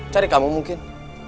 cari kamu mungkin